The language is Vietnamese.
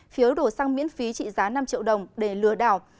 phiếu đồ xăng miễn phí trị giá năm triệu đồng để lừa đảo